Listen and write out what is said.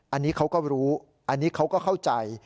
อันนี้เขาก็รู้อันนี้เขาก็เข้าใจ